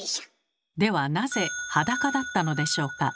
ではなぜ裸だったのでしょうか？